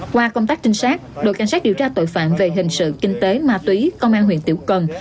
qua công tác trinh sát đội cảnh sát điều tra tội phạm về hình sự kinh tế ma túy công an huyện tiểu cần